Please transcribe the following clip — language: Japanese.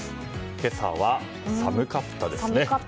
今朝は寒かったですね。